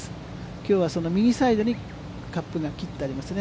きょうはその右サイドにカップが切ってありますね。